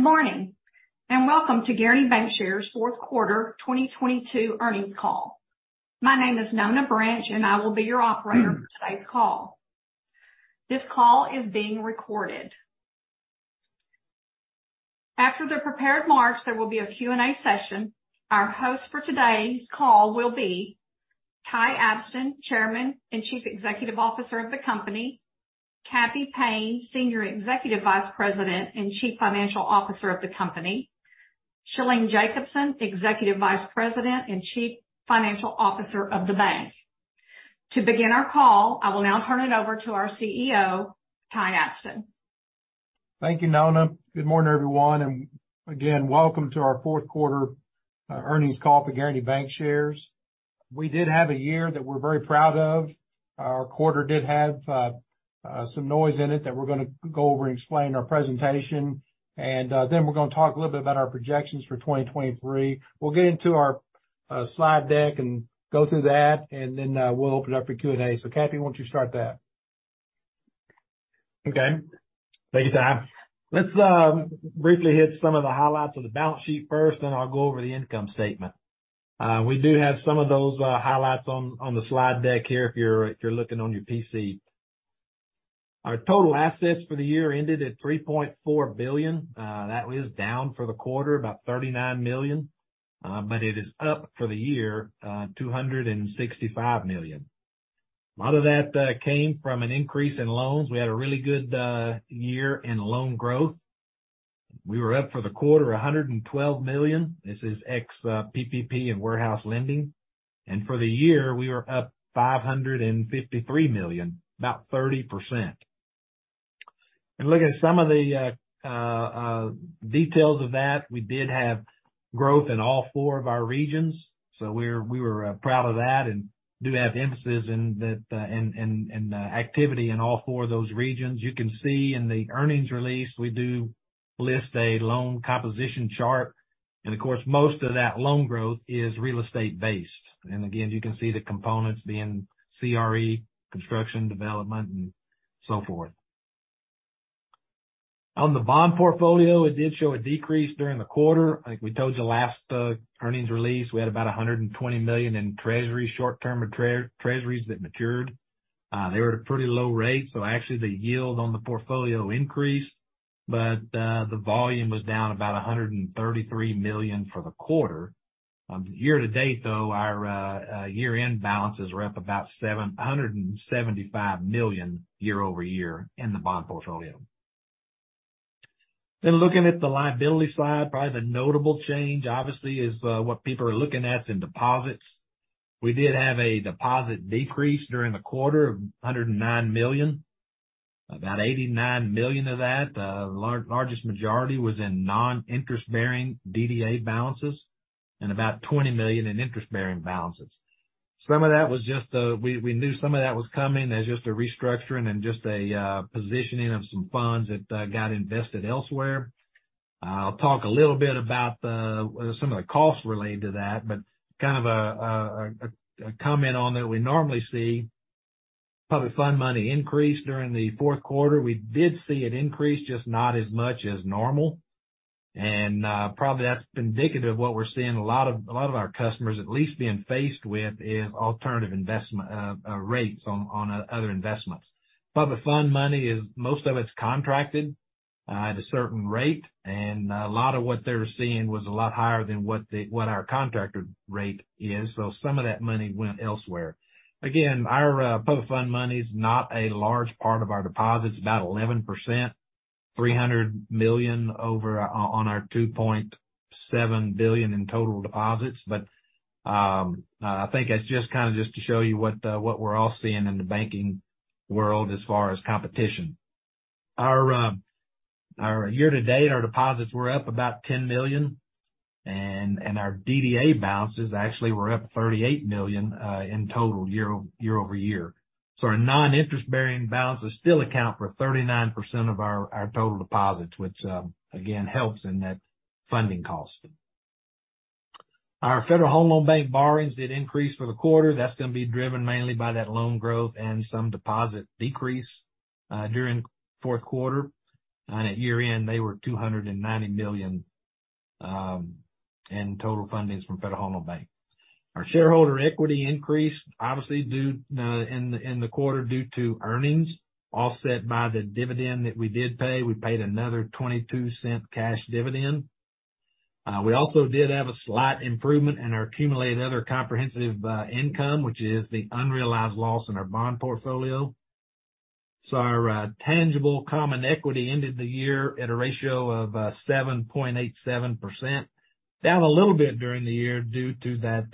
Good morning, welcome to Guaranty Bancshares' fourth quarter 2022 earnings call. My name is Nona Branch, I will be your operator for today's call. This call is being recorded. After the prepared remarks, there will be a Q&A session. Our host for today's call will be Ty Abston, Chairman and Chief Executive Officer of the company, Cappy Payne, Senior Executive Vice President and Chief Financial Officer of the company, Shalene Jacobson, Executive Vice President and Chief Financial Officer of the bank. To begin our call, I will now turn it over to our CEO, Ty Abston. Thank you, Nona. Good morning, everyone, and again, welcome to our fourth quarter earnings call for Guaranty Bancshares. We did have a year that we're very proud of. Our quarter did have some noise in it that we're gonna go over and explain in our presentation. Then we're gonna talk a little bit about our projections for 2023. We'll get into our slide deck and go through that, and then we'll open up for Q&A. Cappy, why don't you start that? Okay. Thank you, Ty. Let's briefly hit some of the highlights of the balance sheet first, then I'll go over the income statement. We do have some of those highlights on the slide deck here if you're looking on your PC. Our total assets for the year ended at $3.4 billion. That is down for the quarter, about $39 million, but it is up for the year, $265 million. A lot of that came from an increase in loans. We had a really good year in loan growth. We were up for the quarter, $112 million. This is ex-PPP and Warehouse Lending. For the year, we were up $553 million, about 30%. Looking at some of the details of that, we did have growth in all four of our regions, so we were proud of that and do have emphasis in the activity in all four of those regions. You can see in the earnings release, we do list a loan composition chart. Of course, most of that loan growth is real estate-based. Again, you can see the components being CRE, construction, development, and so forth. On the bond portfolio, it did show a decrease during the quarter. Like we told you last earnings release, we had about $120 million in Treasury, short-term Treasuries that matured. They were at a pretty low rate, so actually the yield on the portfolio increased, but the volume was down about $133 million for the quarter. Year to date, though, our year-end balances were up about $175 million year-over-year in the bond portfolio. Looking at the liability side, probably the notable change, obviously, is what people are looking at in deposits. We did have a deposit decrease during the quarter of $109 million. About $89 million of that, largest majority was in non-interest bearing DDA balances and about $20 million in interest-bearing balances. Some of that was just, we knew some of that was coming as just a restructuring and just a positioning of some funds that got invested elsewhere. I'll talk a little bit about the some of the costs related to that, but kind of a comment on that we normally see public fund money increase during the fourth quarter. We did see it increase, just not as much as normal. Probably that's indicative of what we're seeing a lot of our customers at least being faced with is alternative rates on other investments. Public fund money is most of it's contracted at a certain rate, and a lot of what they're seeing was a lot higher than what our contracted rate is. Some of that money went elsewhere. Again, our public fund money is not a large part of our deposits, about 11%, $300 million over on our $2.7 billion in total deposits. I think that's just kind of just to show you what we're all seeing in the banking world as far as competition. Our year-to-date, our deposits were up about $10 million, and our DDA balances actually were up $38 million in total year-over-year. Our non-interest bearing balances still account for 39% of our total deposits, which again, helps in that funding cost. Our Federal Home Loan Bank borrowings did increase for the quarter. That's gonna be driven mainly by that loan growth and some deposit decrease during fourth quarter. At year-end, they were $290 million in total fundings from Federal Home Loan Bank. Our shareholder equity increased, obviously, due in the quarter due to earnings, offset by the dividend that we did pay. We paid another $0.22 cash dividend. We also did have a slight improvement in our accumulated other comprehensive income, which is the unrealized loss in our bond portfolio. Our tangible common equity ended the year at a ratio of 7.87%. Down a little bit during the year due to that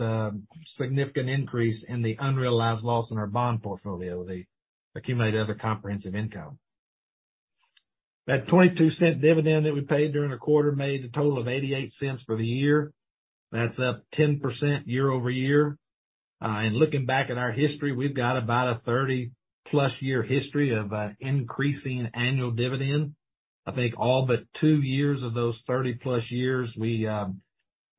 significant increase in the unrealized loss in our bond portfolio, the accumulated other comprehensive income. That $0.22 dividend that we paid during the quarter made a total of $0.88 for the year. That's up 10% year-over-year. Looking back at our history, we've got about a 30-plus year history of increasing annual dividend. I think all but two years of those 30 plus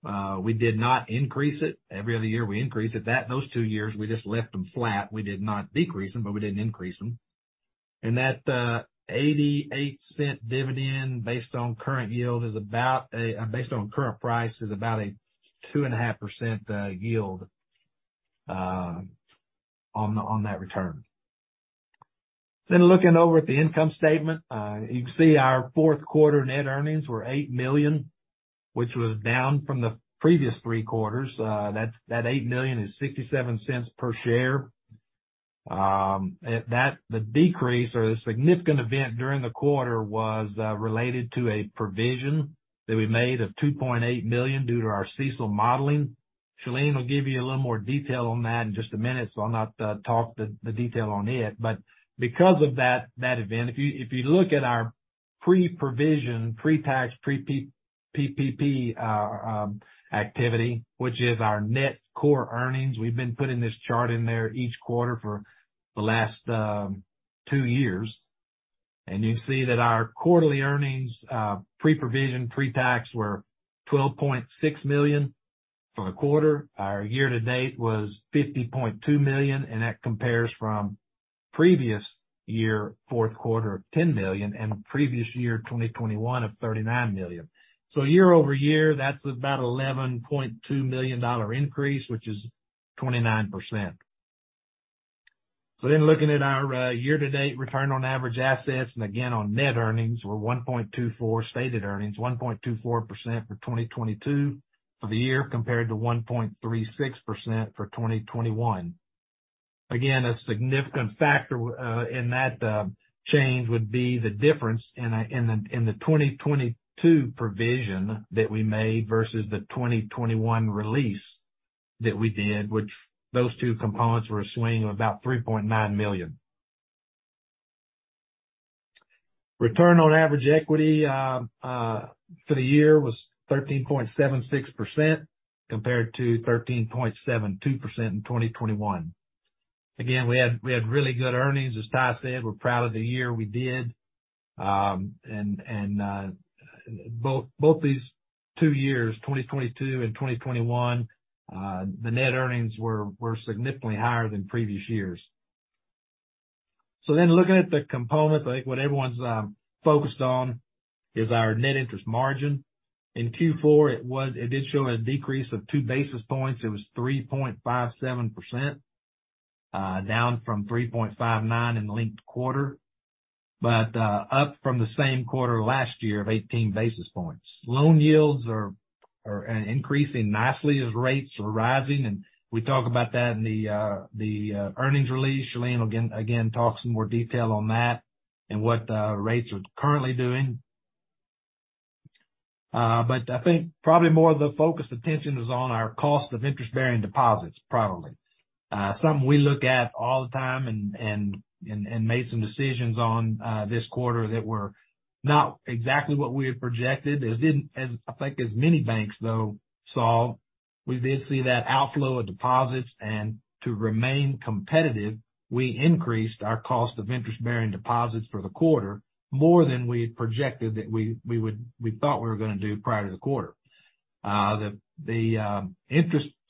years, we did not increase it. Every other year, we increased it. Those two years, we just left them flat. We did not decrease them, but we didn't increase them. That $0.88 dividend based on current yield is about a based on current price, is about a 2.5% yield on that return. Looking over at the income statement, you can see our fourth quarter net earnings were $8 million, which was down from the previous three quarters. That $8 million is $0.67 per share. The decrease or the significant event during the quarter was related to a provision that we made of $2.8 million due to our CECL modeling. Shalene will give you a little more detail on that in just a minute. I'll not talk the detail on it. Because of that event, if you look at our pre-provision, pre-tax, pre-PPP activity, which is our net core earnings, we've been putting this chart in there each quarter for the last two years. You see that our quarterly earnings pre-provision, pre-tax were $12.6 million for the quarter. Our year-to-date was $50.2 million. That compares from previous year, fourth quarter of $10 million and previous year, 2021 of $39 million. Year-over-year, that's about $11.2 million increase, which is 29%. Looking at our year-to-date return on average assets, and again on net earnings were stated earnings, 1.24% for 2022 for the year compared to 1.36% for 2021. A significant factor in that change would be the difference in the 2022 provision that we made versus the 2021 release that we did, which those two components were a swing of about $3.9 million. Return on average equity for the year was 13.76% compared to 13.72% in 2021. We had really good earnings. As Ty Abston said, we're proud of the year we did, and both these two years, 2022 and 2021, the net earnings were significantly higher than previous years. Looking at the components, I think what everyone's focused on is our net interest margin. In Q4, it did show a decrease of 2 basis points. It was 3.57%, down from 3.59 in the linked quarter, but up from the same quarter last year of 18 basis points. Loan yields are increasing nicely as rates are rising, and we talk about that in the earnings release. Shalene will talk some more detail on that and what rates are currently doing. I think probably more of the focused attention is on our cost of interest-bearing deposits, probably. Something we look at all the time and made some decisions on this quarter that were not exactly what we had projected. As I think as many banks, though, saw, we did see that outflow of deposits, and to remain competitive, we increased our cost of interest-bearing deposits for the quarter more than we had projected that we thought we were gonna do prior to the quarter. The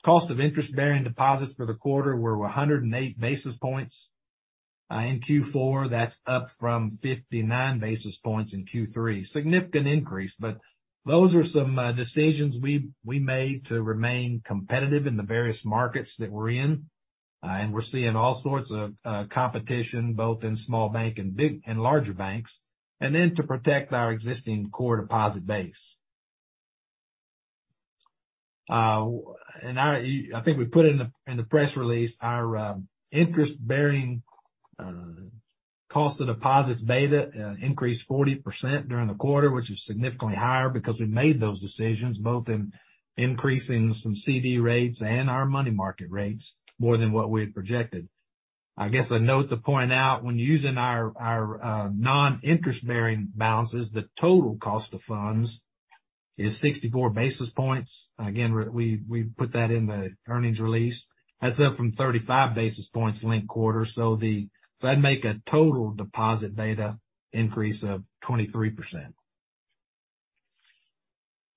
cost of interest-bearing deposits for the quarter were 108 basis points in Q4. That's up from 59 basis points in Q3. Significant increase. Those are some decisions we made to remain competitive in the various markets that we're in, and we're seeing all sorts of competition, both in small bank and larger banks, and then to protect our existing core deposit base. I think we put it in the press release, our interest-bearing cost of deposits beta increased 40% during the quarter, which is significantly higher because we made those decisions, both in increasing some CD rates and our money market rates more than what we had projected. I guess a note to point out, when using our non-interest-bearing balances, the total cost of funds is 64 basis points. Again, we put that in the earnings release. That's up from 35 basis points linked quarter. That'd make a total deposit beta increase of 23%.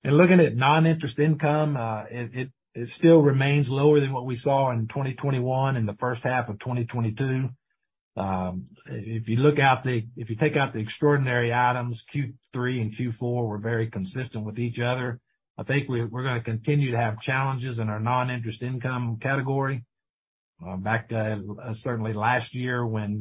Looking at non-interest income, it still remains lower than what we saw in 2021 and the first half of 2022. If you take out the extraordinary items, Q3 and Q4 were very consistent with each other. I think we're gonna continue to have challenges in our non-interest income category. Back to certainly last year when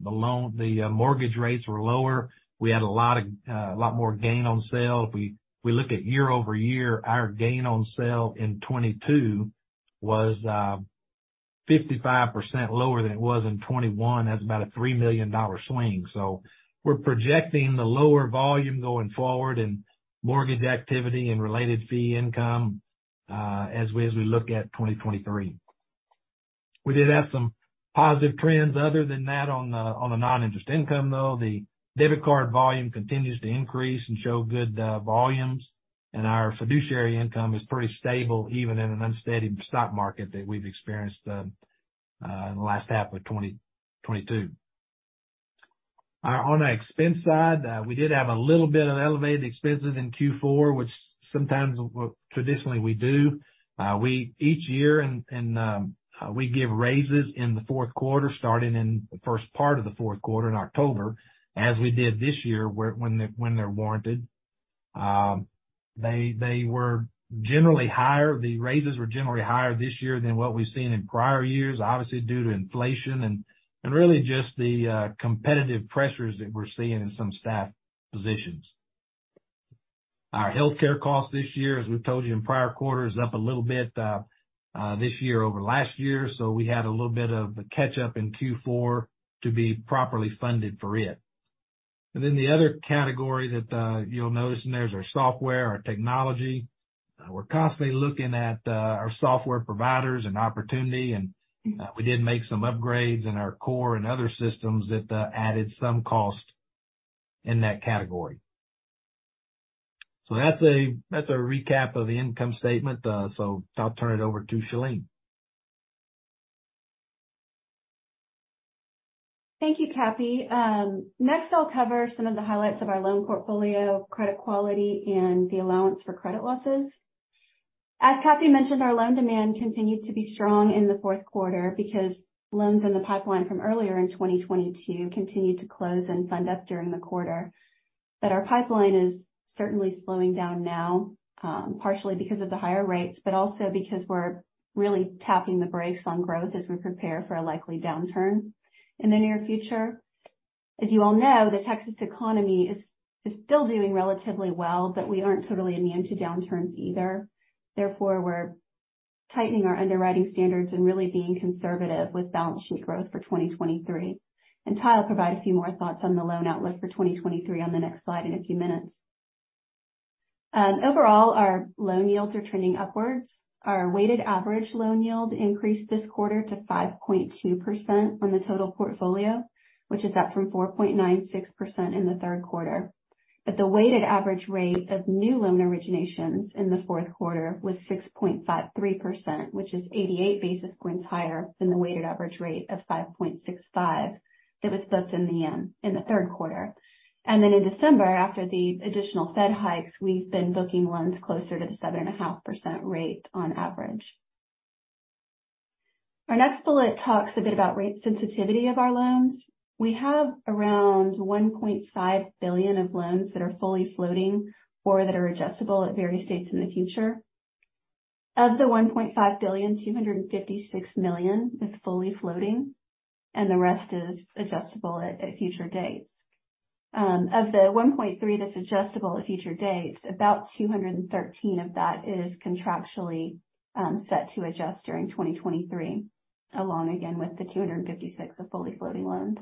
mortgage rates were lower, we had a lot of a lot more gain on sale. If we look at year-over-year, our gain on sale in 2022 was 55% lower than it was in 2021. That's about a $3 million swing. We're projecting the lower volume going forward and mortgage activity and related fee income, as we look at 2023. We did have some positive trends other than that on the non-interest income, though. The debit card volume continues to increase and show good volumes, and our fiduciary income is pretty stable, even in an unsteady stock market that we've experienced in the last half of 2022. On our expense side, we did have a little bit of elevated expenses in Q4, which sometimes, well, traditionally we do. We each year and we give raises in the fourth quarter, starting in the first part of the fourth quarter in October, as we did this year, where they're warranted. They were generally higher. The raises were generally higher this year than what we've seen in prior years. Obviously due to inflation and really just the competitive pressures that we're seeing in some staff positions. Our healthcare costs this year, as we've told you in prior quarters, up a little bit this year over last year. We had a little bit of a catch up in Q4 to be properly funded for it. The other category that you'll notice in there is our software, our technology. We're constantly looking at our software providers and opportunity, and we did make some upgrades in our core and other systems that added some cost in that category. That's a recap of the income statement. I'll turn it over to Shalene. Thank you, Cappy. Next I'll cover some of the highlights of our loan portfolio, credit quality, and the allowance for credit losses. As Cappy mentioned, our loan demand continued to be strong in the fourth quarter because loans in the pipeline from earlier in 2022 continued to close and fund up during the quarter. Our pipeline is certainly slowing down now, partially because of the higher rates, but also because we're really tapping the brakes on growth as we prepare for a likely downturn in the near future. As you all know, the Texas economy is still doing relatively well, but we aren't totally immune to downturns either. Therefore, we're tightening our underwriting standards and really being conservative with balance sheet growth for 2023. Ty will provide a few more thoughts on the loan outlook for 2023 on the next slide in a few minutes. Overall, our loan yields are trending upwards. Our weighted average loan yield increased this quarter to 5.2% on the total portfolio, which is up from 4.96% in the third quarter. The weighted average rate of new loan originations in the fourth quarter was 6.53%, which is 88 basis points higher than the weighted average rate of 5.65 that was booked in the third quarter. In December, after the additional Fed hikes, we've been booking loans closer to the 7.5% rate on average. Our next bullet talks a bit about rate sensitivity of our loans. We have around $1.5 billion of loans that are fully floating or that are adjustable at various dates in the future. Of the $1.5 billion, $256 million is fully floating, the rest is adjustable at future dates. Of the $1.3 billion that's adjustable at future dates, about $213 million of that is contractually set to adjust during 2023, along again with the $256 million of fully floating loans.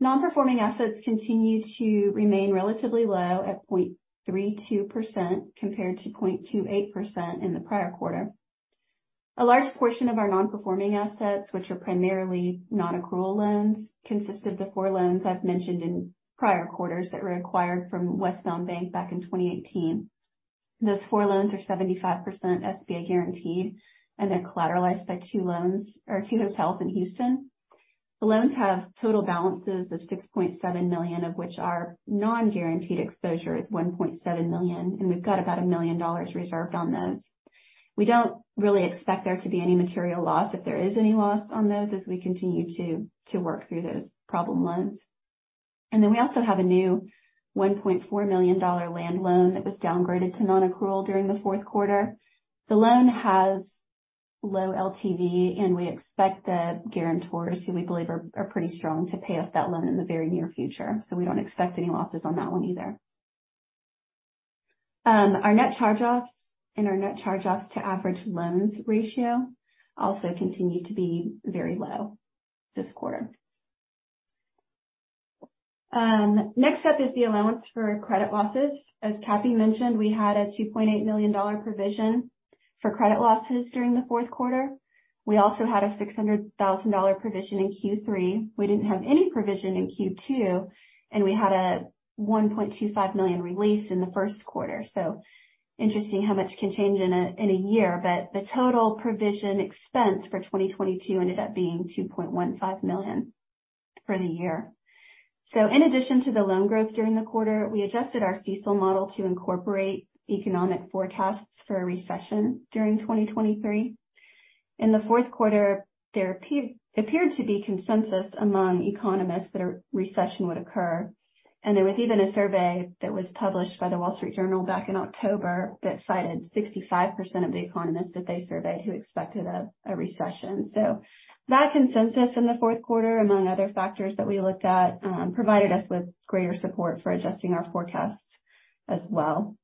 Non-performing assets continue to remain relatively low at 0.32% compared to 0.28% in the prior quarter. A large portion of our non-performing assets, which are primarily non-accrual loans, consist of the four loans I've mentioned in prior quarters that were acquired from Westbound Bank back in 2018. Those four loans are 75% SBA guaranteed, and they're collateralized by two loans or two hotels in Houston. The loans have total balances of $6.7 million of which are non-guaranteed exposure is $1.7 million, and we've got about $1 million reserved on those. We don't really expect there to be any material loss if there is any loss on those as we continue to work through those problem loans. We also have a new $1.4 million land loan that was downgraded to non-accrual during the fourth quarter. The loan has low LTV, and we expect the guarantors, who we believe are pretty strong, to pay off that loan in the very near future, so we don't expect any losses on that one either. Our net charge offs and our net charge offs to average loans ratio also continue to be very low this quarter. Next up is the allowance for credit losses. As Cappy mentioned, we had a $2.8 million provision for credit losses during the fourth quarter. We also had a $600,000 provision in Q3. We didn't have any provision in Q2, and we had a $1.25 million release in the first quarter. Interesting how much can change in a year, but the total provision expense for 2022 ended up being $2.15 million for the year. In addition to the loan growth during the quarter, we adjusted our CECL model to incorporate economic forecasts for a recession during 2023. In the fourth quarter, there appeared to be consensus among economists that a recession would occur. There was even a survey that was published by The Wall Street Journal back in October that cited 65% of the economists that they surveyed who expected a recession. That consensus in the fourth quarter, among other factors that we looked at, provided us with greater support for adjusting our forecasts as well.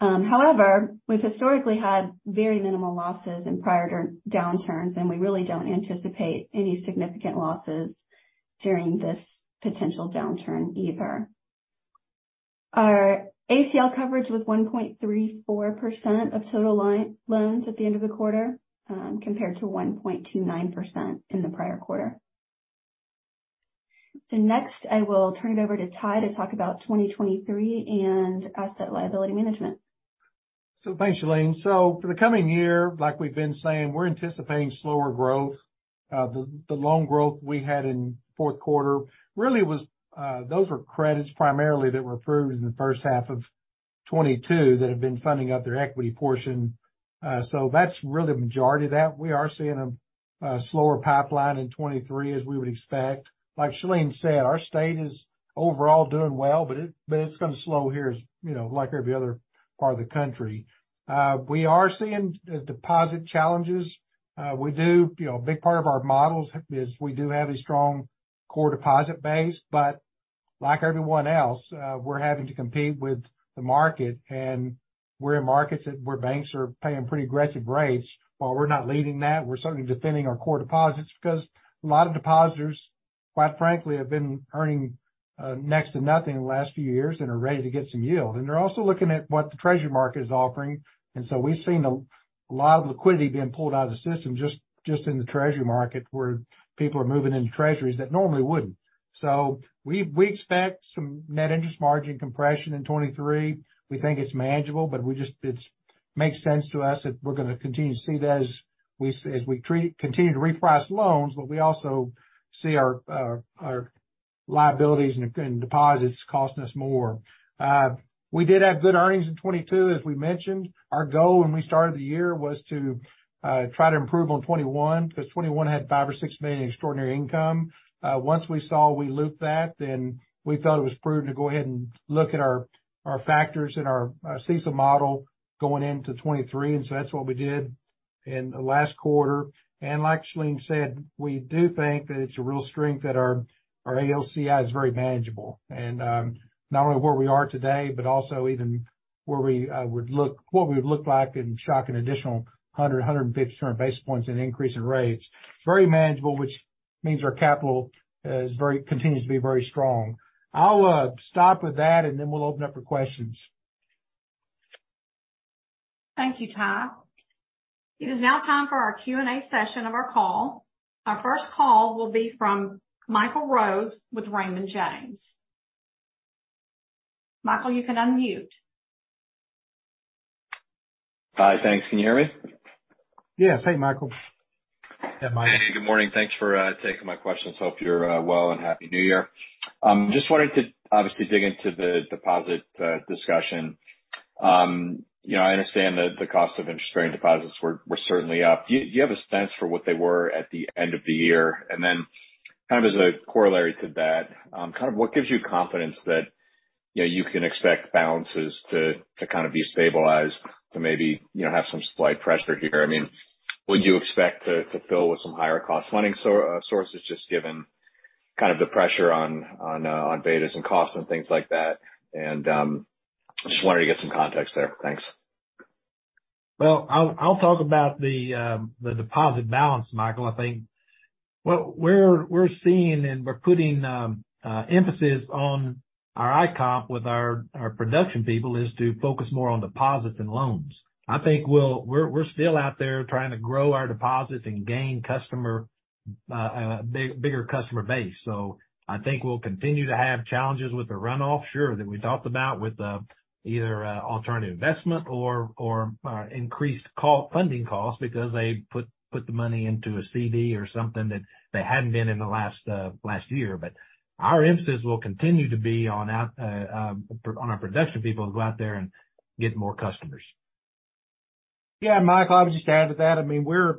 However, we've historically had very minimal losses in prior downturns, and we really don't anticipate any significant losses during this potential downturn either. Our ACL coverage was 1.34% of total loans at the end of the quarter, compared to 1.29% in the prior quarter. Next, I will turn it over to Ty to talk about 2023 and Asset and Liability Management. Thanks, Shalene. For the coming year, like we've been saying, we're anticipating slower growth. The loan growth we had in 4th quarter really was, those were credits primarily that were approved in the first half of 2022 that have been funding out their equity portion. That's really the majority of that. We are seeing a slower pipeline in 2023 as we would expect. Like Shalene said, our state is overall doing well, but it's gonna slow here as, you know, like every other part of the country. We are seeing deposit challenges. You know, a big part of our models is we do have a strong core deposit base. Like everyone else, we're having to compete with the market, and we're in markets where banks are paying pretty aggressive rates. While we're not leading that, we're certainly defending our core deposits because a lot of depositors, quite frankly, have been earning next to nothing in the last few years and are ready to get some yield. They're also looking at what the Treasury market is offering. We've seen a lot of liquidity being pulled out of the system just in the Treasury market, where people are moving into Treasuries that normally wouldn't. We expect some net interest margin compression in 2023. We think it's manageable, but it makes sense to us that we're gonna continue to see that as we continue to reprice loans, but we also see our liabilities and deposits costing us more. We did have good earnings in 2022, as we mentioned. Our goal when we started the year was to try to improve on 2021, because 2021 had $5 million-$6 million extraordinary income. Once we saw we looped that, then we felt it was prudent to go ahead and look at our factors and our CECL model going into 2023. That's what we did in the last quarter. Like Shalene said, we do think that it's a real strength that our ALCO is very manageable. Not only where we are today, but also even where we what we would look like in shocking additional 100-150 basis points in increase in rates. Very manageable, which means our capital continues to be very strong. I'll stop with that, and then we'll open up for questions. Thank you, Ty. It is now time for our Q&A session of our call. Our first call will be from Michael Rose with Raymond James. Michael, you can unmute. Hi. Thanks. Can you hear me? Yes. Hey, Michael. Yeah, Michael. Hey, good morning. Thanks for taking my questions. Hope you're well, and Happy New Year. Just wanted to obviously dig into the deposit discussion. You know, I understand that the cost of interest rate and deposits were certainly up. Do you have a sense for what they were at the end of the year? Kind of as a corollary to that, kind of what gives you confidence that, you know, you can expect balances to kind of be stabilized to maybe, you know, have some slight pressure here? I mean, would you expect to fill with some higher cost funding sources just given kind of the pressure on betas and costs and things like that? Just wanted to get some context there. Thanks. I'll talk about the deposit balance, Michael. I think what we're seeing and we're putting emphasis on our Icomp with our production people is to focus more on deposits than loans. I think we're still out there trying to grow our deposits and gain customer bigger customer base. I think we'll continue to have challenges with the runoff, sure, that we talked about with either alternative investment or increased funding costs because they put the money into a CD or something that they hadn't been in the last year. Our emphasis will continue to be on our production people to go out there and get more customers. Yeah, Michael, I would just add to that. I mean, we're,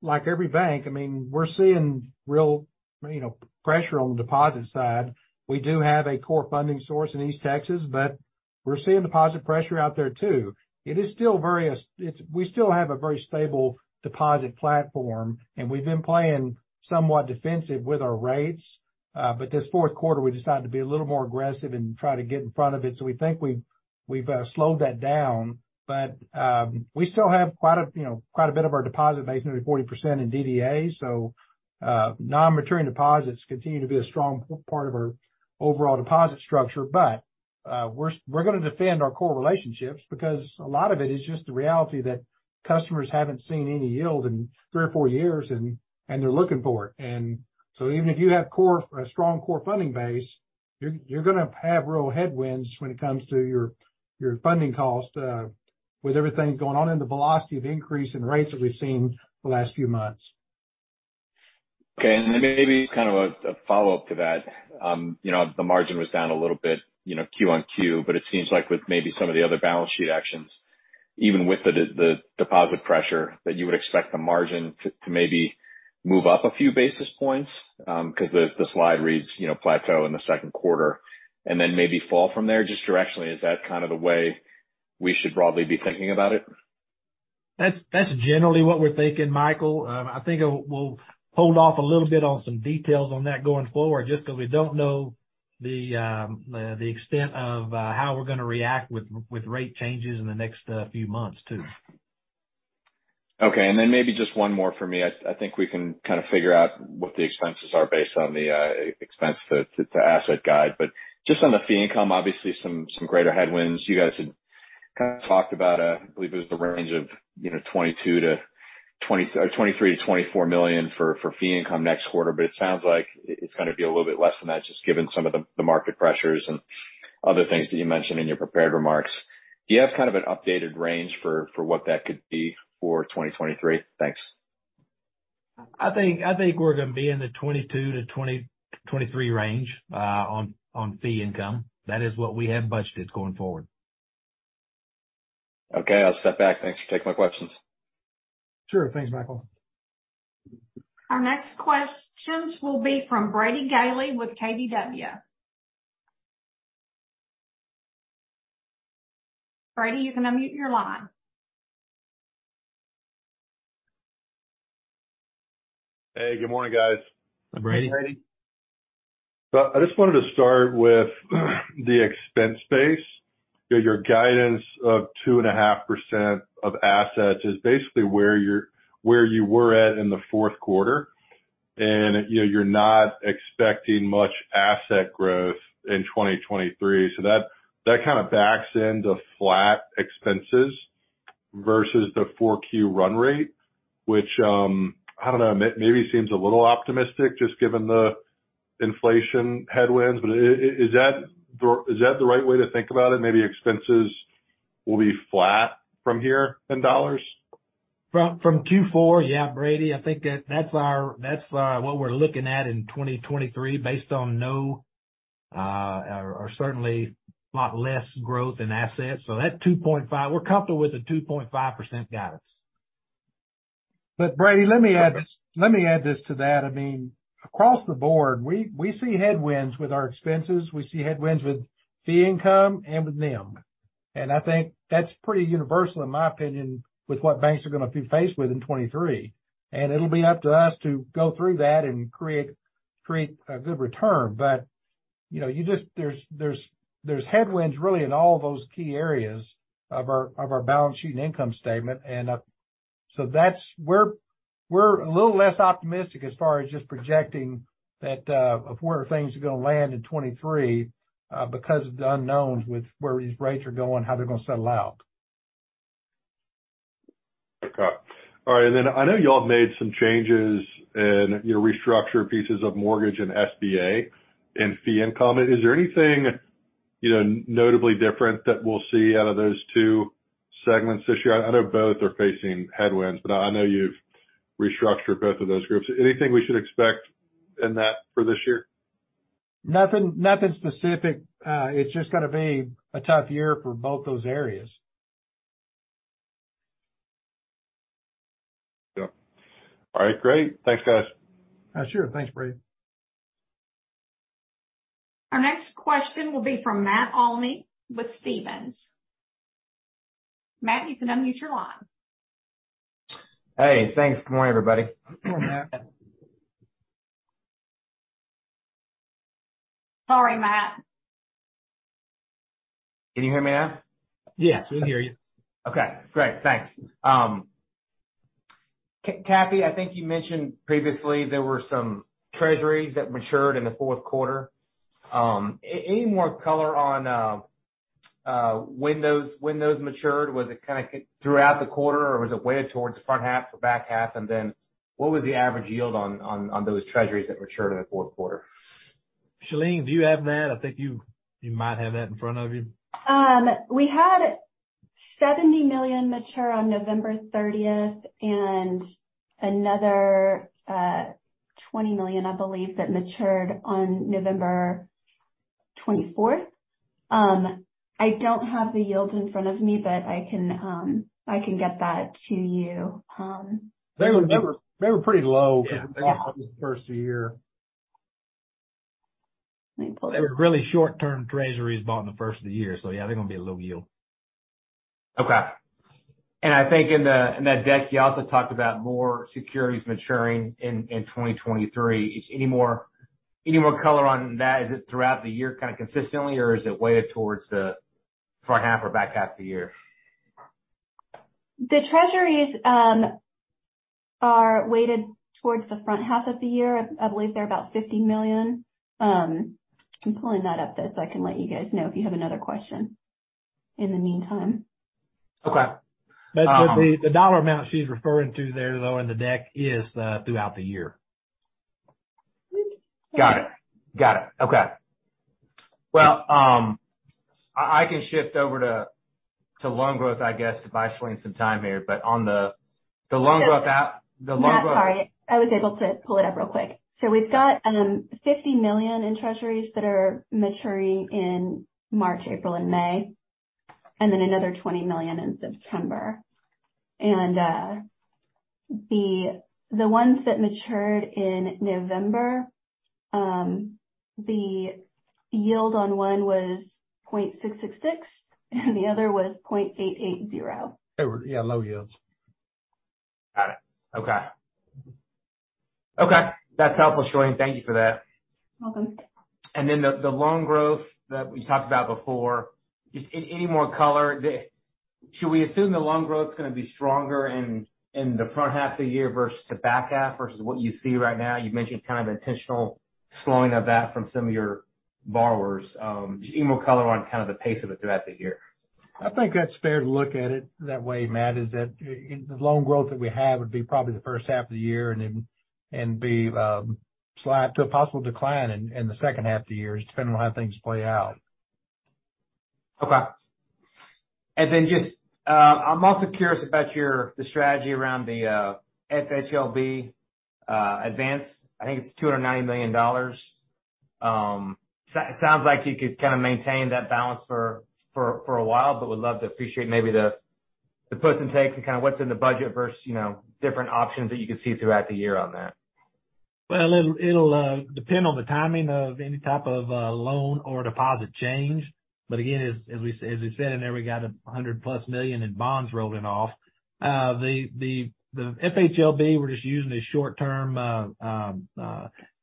like every bank, I mean, we're seeing real, you know, pressure on the deposit side. We do have a core funding source in East Texas, but we're seeing deposit pressure out there too. It is still very We still have a very stable deposit platform, and we've been playing somewhat defensive with our rates. This fourth quarter, we decided to be a little more aggressive and try to get in front of it, so we think we've slowed that down. We still have quite a, you know, quite a bit of our deposit base, nearly 40% in DDA. Non-maturing deposits continue to be a strong part of our overall deposit structure. We're gonna defend our core relationships because a lot of it is just the reality that customers haven't seen any yield in three or four years, and they're looking for it. Even if you have a strong core funding base, you're gonna have real headwinds when it comes to your funding cost, with everything going on and the velocity of increase in rates that we've seen the last few months. Okay. Then maybe kind of a follow-up to that. You know, the margin was down a little bit, you know, Q-on-Q. It seems like with maybe some of the other balance sheet actions, even with the deposit pressure, that you would expect the margin to maybe move up a few basis points. Because the slide reads, you know, plateau in the second quarter, and then maybe fall from there. Just directionally, is that kind of the way we should broadly be thinking about it? That's generally what we're thinking, Michael. I think we'll hold off a little bit on some details on that going forward, just because we don't know the extent of how we're gonna react with rate changes in the next few months too. Okay. Maybe just one more for me. I think we can kind of figure out what the expenses are based on the expense to asset guide. Just on the fee income, obviously some greater headwinds. You guys had kind of talked about, I believe it was the range of, you know, $23 million-$24 million for fee income next quarter, but it sounds like it's gonna be a little bit less than that, just given some of the market pressures and other things that you mentioned in your prepared remarks. Do you have kind of an updated range for what that could be for 2023? Thanks. I think we're gonna be in the $22 to $23 range on fee income. That is what we have budgeted going forward. Okay. I'll step back. Thanks for taking my questions. Sure. Thanks, Michael. Our next questions will be from Brady Gailey with KBW. Brady, you can unmute your line. Hey, good morning, guys. Hi, Brady. I just wanted to start with the expense base. Your guidance of 2.5% of assets is basically where you were at in the fourth quarter. You know, you're not expecting much asset growth in 2023. That, that kinda backs in to flat expenses versus the 4Q run rate, which, I don't know, maybe seems a little optimistic just given the inflation headwinds. Is that the right way to think about it? Maybe expenses will be flat from here in dollars. From Q4, yeah, Brady. I think that that's what we're looking at in 2023 based on no, or certainly a lot less growth in assets. That 2.5% we're comfortable with the 2.5% guidance. Brady, let me add this to that. I mean, across the board, we see headwinds with our expenses, we see headwinds with fee income and with NIM. I think that's pretty universal, in my opinion, with what banks are gonna be faced with in 2023. It'll be up to us to go through that and create a good return. You know, you just there's headwinds really in all of those key areas of our balance sheet and income statement. That's we're a little less optimistic as far as just projecting that of where things are gonna land in 2023, because of the unknowns with where these rates are going, how they're gonna settle out. Okay. All right. I know y'all have made some changes and, you know, restructured pieces of mortgage and SBA and fee income. Is there anything, you know, notably different that we'll see out of those two segments this year? I know both are facing headwinds, I know you've restructured both of those groups. Anything we should expect in that for this year? Nothing specific. It's just gonna be a tough year for both those areas. Yep. All right, great. Thanks, guys. Sure. Thanks, Brady. Our next question will be from Matt Olney with Stephens. Matt, you can unmute your line. Hey, thanks. Good morning, everybody. Good morning, Matt. Sorry, Matt. Can you hear me now? Yes, we can hear you. Okay, great. Thanks. Cappy, I think you mentioned previously there were some Treasuries that matured in the fourth quarter. any more color on when those matured? Was it kinda throughout the quarter, or was it weighted towards the front half or back half? then what was the average yield on those Treasuries that matured in the fourth quarter? Shalene, do you have that? I think you might have that in front of you. We had $70 million mature on November 30th and another, $20 million, I believe, that matured on November 24th. I don't have the yield in front of me, but I can, I can get that to you. They were pretty low. Yeah. Because they bought them the first of the year. Let me pull. They were really short-term Treasuries bought in the first of the year. Yeah, they're gonna be a low yield. Okay. I think in the, in that deck, you also talked about more securities maturing in 2023. Any more color on that? Is it throughout the year kinda consistently, or is it weighted towards the front half or back half of the year? The Treasuries are weighted towards the front half of the year. I believe they're about $50 million. I'm pulling that up though, so I can let you guys know if you have another question in the meantime. Okay. But the dollar amount she's referring to there, though, in the deck is throughout the year. Whoop. There you go. Got it. Got it. Okay. Well, I can shift over to loan growth, I guess, if I swing some time here, but on the loan growth out- Matt, sorry. The loan growth I was able to pull it up real quick. We've got $50 million in Treasuries that are maturing in March, April and May, and then another $20 million in September. The ones that matured in November, the yield on one was 0.666, and the other was 0.880. Yeah, low yields. Got it. Okay. Okay, that's helpful, Shalene. Thank you for that. Welcome. The loan growth that we talked about before, just any more color? Should we assume the loan growth is gonna be stronger in the front half of the year versus the back half, versus what you see right now? You've mentioned kind of intentional slowing of that from some of your borrowers. Just any more color on kind of the pace of it throughout the year. I think that's fair to look at it that way, Matt, is that the loan growth that we have would be probably the first half of the year and be slide to a possible decline in the second half of the year, just depending on how things play out. Okay. Then just, I'm also curious about your, the strategy around the FHLB advance. I think it's $290 million. Sounds like you could kind of maintain that balance for, for a while, would love to appreciate maybe the puts and takes and kind of what's in the budget versus, you know, different options that you can see throughout the year on that. It'll depend on the timing of any type of loan or deposit change. Again, as we said in there, we got $100+ million in bonds rolling off. The FHLB, we're just using a short-term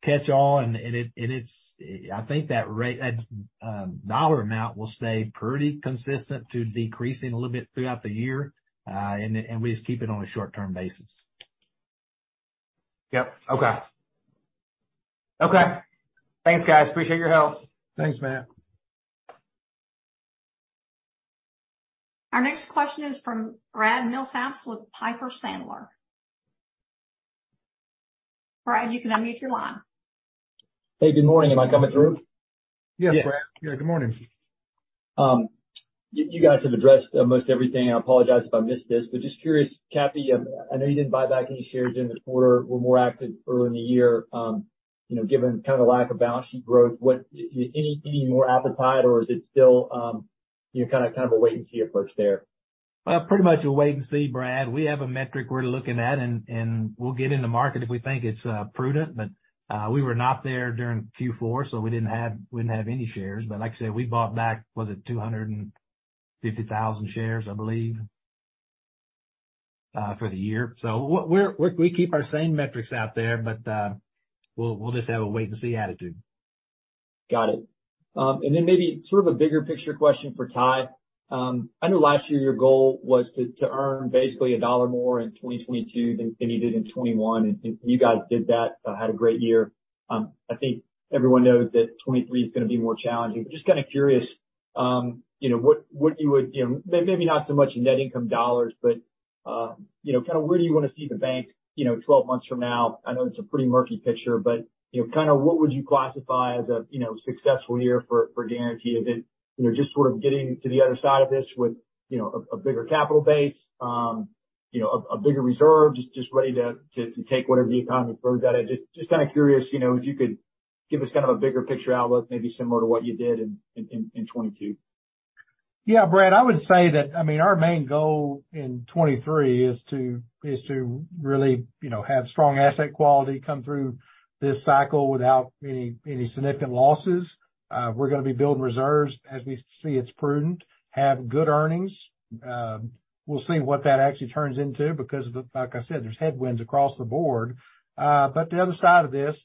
catch-all, and it's, I think that dollar amount will stay pretty consistent to decreasing a little bit throughout the year, and we just keep it on a short-term basis. Yep. Okay. Okay. Thanks, guys. Appreciate your help. Thanks, Matt. Our next question is from Brad Milsaps with Piper Sandler. Brad, you can unmute your line. Hey, good morning. Am I coming through? Yes, Brad. Yeah, good morning. You guys have addressed almost everything. I apologize if I missed this, just curious, Cappy, I know you didn't buy back any shares during the quarter. We're more active earlier in the year, you know, given kind of the lack of balance sheet growth, any more appetite or is it still, you know, kind of a wait and see approach there? Pretty much a wait and see, Brad. We have a metric we're looking at, and we'll get in the market if we think it's prudent. we were not there during Q4, so we wouldn't have any shares. But like I said, we bought back, was it 250,000 shares, I believe, for the year. we keep our same metrics out there, but we'll just have a wait and see attitude. Got it. Then maybe sort of a bigger picture question for Ty. I know last year your goal was to earn basically $1 more in 2022 than you did in 2021, and you guys did that, had a great year. I think everyone knows that 2023 is gonna be more challenging. Just kind of curious, you know, what you would, you know, maybe not so much in net income dollars, but, you know, kind of where do you want to see the bank, you know, 12 months from now? I know it's a pretty murky picture, but, you know, kind of what would you classify as a, you know, successful year for Guaranty? Is it, you know, just sort of getting to the other side of this with, you know, a bigger capital base, you know, a bigger reserve, just ready to take whatever the economy throws at it? Just kinda curious, you know, if you could give us kind of a bigger picture outlook, maybe similar to what you did in 2022. Yeah. Brad, I would say that, I mean, our main goal in 2023 is to really, you know, have strong asset quality come through this cycle without any significant losses. We're gonna be building reserves as we see it's prudent, have good earnings. We'll see what that actually turns into because like I said, there's headwinds across the board. The other side of this,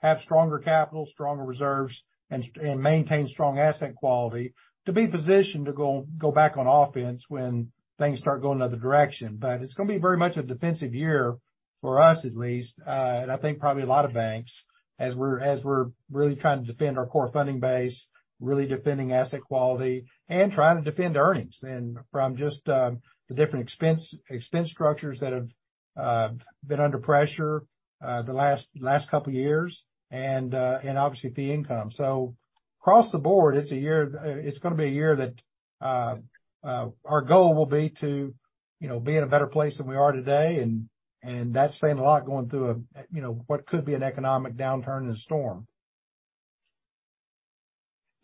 have stronger capital, stronger reserves, and maintain strong asset quality to be positioned to go back on offense when things start going the other direction. It's gonna be very much a defensive year for us at least, and I think probably a lot of banks as we're really trying to defend our core funding base, really defending asset quality and trying to defend earnings and from just the different expense structures that have been under pressure the last couple years and obviously fee income. Across the board, it's gonna be a year that our goal will be to, you know, be in a better place than we are today, and that's saying a lot going through a, you know, what could be an economic downturn and storm.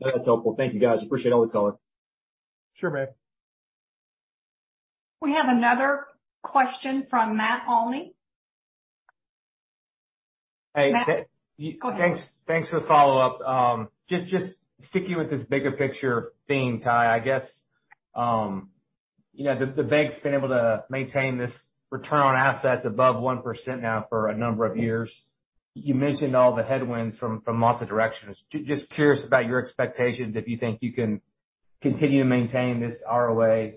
That's helpful. Thank you, guys. Appreciate all the color. Sure, Brad. We have another question from Matt Olney. Hey. Go ahead. Thanks for the follow-up. just sticking with this bigger picture theme, Ty, I guess, you know, the bank's been able to maintain this return on assets above 1% now for a number of years. You mentioned all the headwinds from lots of directions. just curious about your expectations, if you think you can continue to maintain this ROA,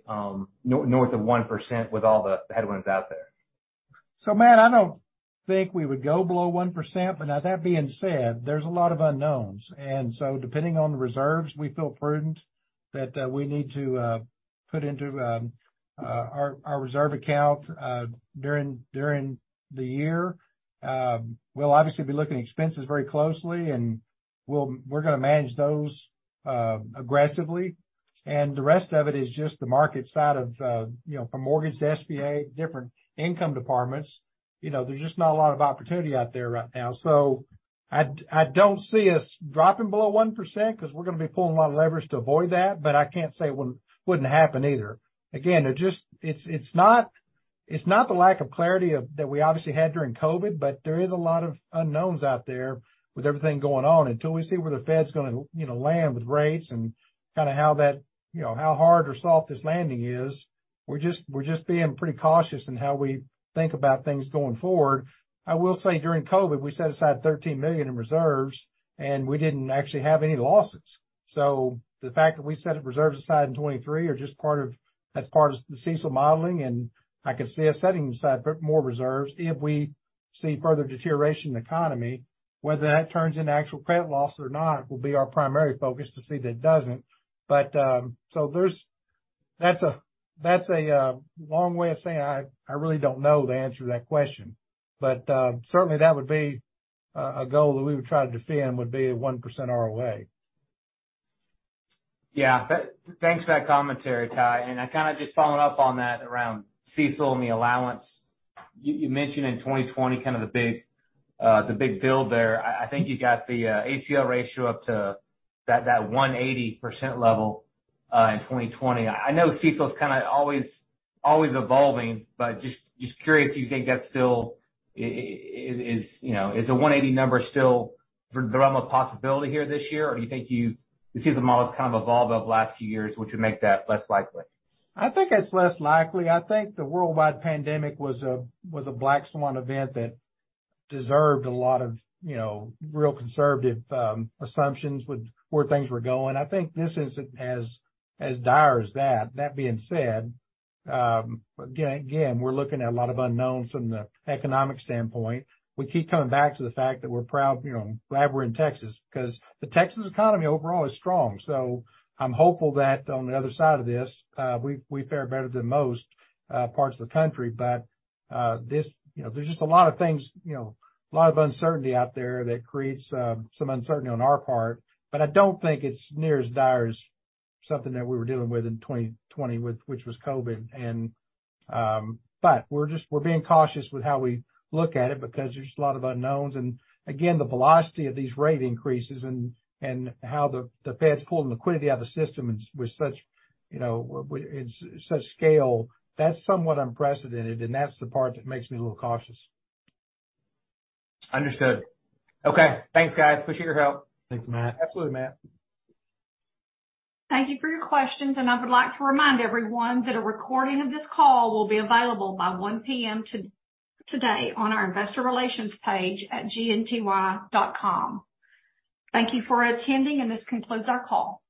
north of 1% with all the headwinds out there? Matt, I don't think we would go below 1%. Now that being said, there's a lot of unknowns. Depending on the reserves, we feel prudent that we need to put into our reserve account during the year. We'll obviously be looking at expenses very closely, and we're gonna manage those aggressively. The rest of it is just the market side of, you know, from mortgage to SBA, different income departments. You know, there's just not a lot of opportunity out there right now. I don't see us dropping below 1% because we're gonna be pulling a lot of leverage to avoid that, but I can't say it wouldn't happen either. Again, it's not the lack of clarity that we obviously had during COVID. There is a lot of unknowns out there with everything going on. Until we see where the Fed's gonna, you know, land with rates and kinda how that, you know, how hard or soft this landing is, we're just being pretty cautious in how we think about things going forward. I will say during COVID, we set aside $13 million in reserves, we didn't actually have any losses. The fact that we set reserves aside in 2023 are just that's part of the CECL modeling, I could see us setting aside more reserves if we see further deterioration in the economy. Whether that turns into actual credit loss or not will be our primary focus to see that it doesn't. That's a, that's a long way of saying I really don't know the answer to that question. Certainly that would be a goal that we would try to defend, would be 1% ROA. Yeah. Thanks for that commentary, Ty. I kind of just following up on that around CECL and the allowance. You mentioned in 2020 kind of the big build there. I think you got the ACL ratio up to that 180% level in 2020. I know CECL's kind of always evolving, but just curious, do you think that's still, you know, is the 180 number still in the realm of possibility here this year? Do you think the CECL model's kind of evolved over the last few years, which would make that less likely? I think it's less likely. I think the worldwide pandemic was a black swan event that deserved a lot of, you know, real conservative assumptions with where things were going. I think this isn't as dire as that. That being said, again, we're looking at a lot of unknowns from the economic standpoint. We keep coming back to the fact that we're proud, you know, glad we're in Texas, because the Texas economy overall is strong. I'm hopeful that on the other side of this, we fare better than most parts of the country. This, you know, there's just a lot of things, you know, a lot of uncertainty out there that creates some uncertainty on our part. I don't think it's near as dire as something that we were dealing with in 2020 with which was COVID. We're being cautious with how we look at it because there's a lot of unknowns. Again, the velocity of these rate increases and how the Fed's pulling liquidity out of the system with such, you know, such scale, that's somewhat unprecedented, and that's the part that makes me a little cautious. Understood. Okay. Thanks, guys. Appreciate your help. Thanks, Matt. Absolutely, Matt. Thank you for your questions. I would like to remind everyone that a recording of this call will be available by 1:00 P.M. today on our Investor Relations page at gnty.com. Thank you for attending. This concludes our call.